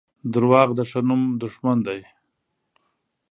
• دروغ د ښه نوم دښمن دي.